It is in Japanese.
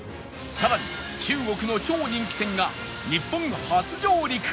さらに中国の超人気店が日本初上陸！